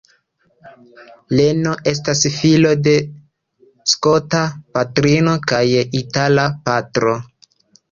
Leno estas filo de skota patrino kaj itala patro.